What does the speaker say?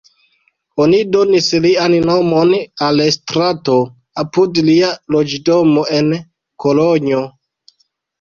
Oni donis lian nomon al strato apud lia loĝdomo en Kolonjo.